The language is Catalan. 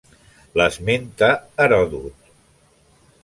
L'esmenta Heròdot.